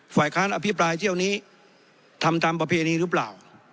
ฝ่ายค้านอภิปรายเที่ยวนี้ทำตามประเพณีหรือเปล่า